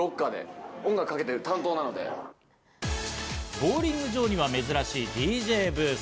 ボウリング場には珍しいＤＪブース。